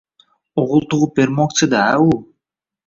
O`g`il tug`ib bermoqchi-da u